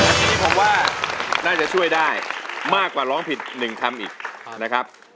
อันนี้ผมว่าน่าจะช่วยได้มากกว่าร้องผิด๑คำอีกนะครับ